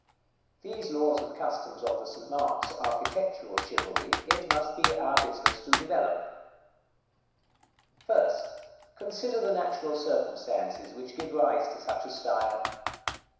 These laws and customs of the St. Mark's architectural chivalry it must be our business to develope. § XXVI. First, consider the natural circumstances which give rise to such a style.